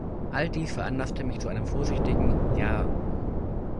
All dies veranlasste mich zu einem vorsichtigen "Ja".